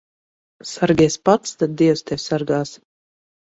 Sargies pats, tad dievs tevi sargās.